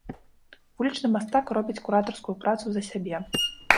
Вулічны мастак робіць куратарскую працу за сябе.